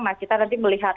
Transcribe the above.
nah kita nanti melihat